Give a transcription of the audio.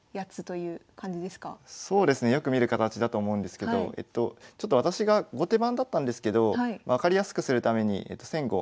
そうですねよく見る形だと思うんですけどちょっと私が後手番だったんですけど分かりやすくするために先後を反転させています。